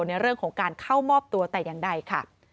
ในเรื่องของการเข้ามอบตัวแต่อย่างใดค่ะ